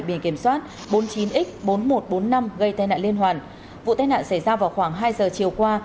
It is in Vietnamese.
biển kiểm soát bốn mươi chín x bốn nghìn một trăm bốn mươi năm gây tai nạn liên hoàn vụ tai nạn xảy ra vào khoảng hai giờ chiều qua